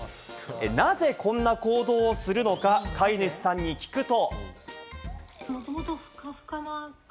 なぜこんな行動するのか、飼い主さんに聞くと。